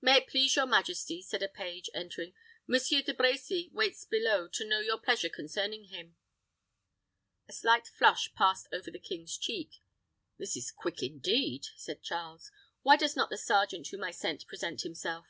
"May it please your majesty," said a page, entering, "Monsieur De Brecy waits below to know your pleasure concerning him." A slight flush passed over the king's cheek. "This is quick, indeed," said Charles. "Why does not the sergeant whom I sent present himself?"